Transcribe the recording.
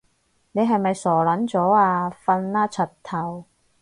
你係咪傻撚咗啊？瞓啦柒頭